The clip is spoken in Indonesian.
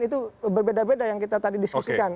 itu berbeda beda yang kita tadi diskusikan